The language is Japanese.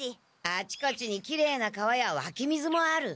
あちこちにきれいな川やわき水もある。